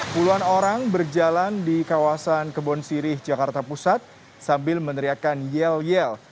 puluhan orang berjalan di kawasan kebon sirih jakarta pusat sambil meneriakan yel yel